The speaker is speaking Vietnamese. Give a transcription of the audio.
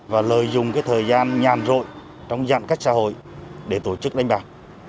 và lợi dụng thời gian nhàn rội trong giãn cách xã hội để tổ chức đánh bạc